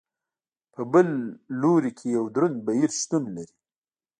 په بل لوري کې یو دروند بهیر شتون لري.